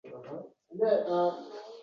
Nechun bunday dunyolarga esh qilding Sen